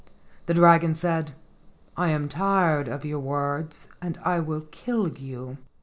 The dragon said, "I am tired of your words and I will kill you."